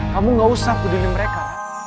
kamu gak usah peduli mereka